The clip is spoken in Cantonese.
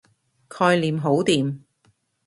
概念好掂